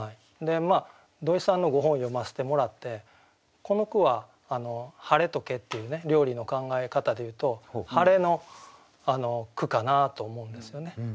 土井さんのご本を読ませてもらってこの句はハレとケっていうね料理の考え方でいうとハレの句かなと思うんですよね。